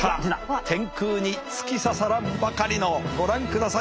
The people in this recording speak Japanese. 天空に突き刺さらんばかりのご覧ください